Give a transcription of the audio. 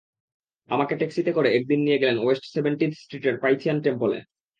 আমাকে ট্যাক্সিতে করে একদিন নিয়ে গেলেন ওয়েস্ট সেভেন্টিথ স্ট্রিটের পাইথিয়ান টেম্পলে।